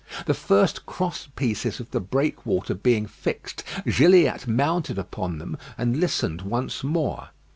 The first cross pieces of the breakwater being fixed, Gilliatt mounted upon them and listened once more.